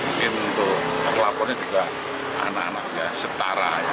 mungkin untuk laporannya juga anak anak setara